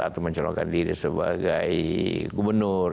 atau mencalonkan diri sebagai gubernur